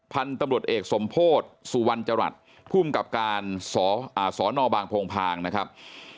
พันธุ์ตำรวจเอกสมโพธิสุวรรณจรัสภูมิกับการสนบางโพงพางนะครับ